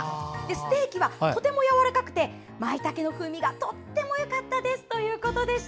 ステーキは、とてもやわらかくてまいたけの風味がとてもよかったです」ということでした。